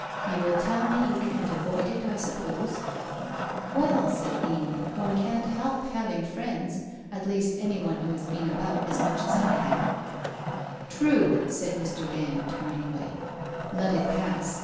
You will tell me you can't avoid it, I suppose ?' 'Well/ said Amy, 'one can't help having friends, at least anyone who has been about as much as I have '' True !' said Mr. Dand, turning away. ' Let it pass.